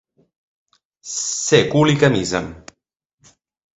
Ser cul i camisa.